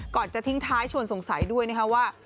จะทิ้งท้ายชวนสงสัยด้วยนะคะว่า